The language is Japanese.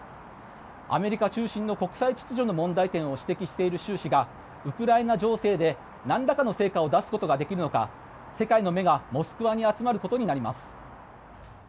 アメリカ中心の国際秩序の問題点を指摘している習主席がウクライナ情勢でなんらかの成果を出すことができるのか世界の目がモスクワに集まることになります。